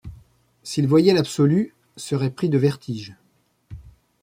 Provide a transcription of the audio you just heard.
S’il voyait l’absolu, serait pris de vertige ;